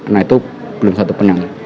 nah itu belum satu pun yang